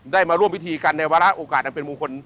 ได้มาร่วมวิธีกันในวาระโอกาสเป็นมุมคล